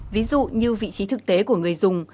ví dụ như vị trí thực tế của người dùng